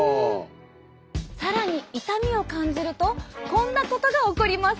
更に痛みを感じるとこんなことが起こります。